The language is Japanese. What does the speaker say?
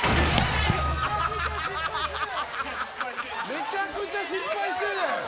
めちゃくちゃ失敗してる！